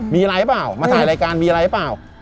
มีอะไรหรือเปล่ามาถ่ายรายการมีอะไรเปล่า